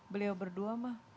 beliau berdua mah